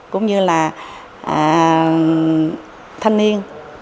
cũng như là thanh niên